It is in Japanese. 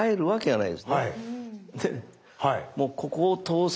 はい。